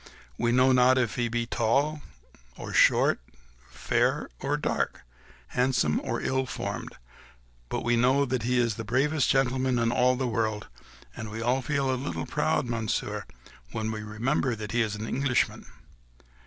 We know not if he be tall or short, fair or dark, handsome or ill formed; but we know that he is the bravest gentleman in all the world, and we all feel a little proud, Monsieur, when we remember that he is an Englishman."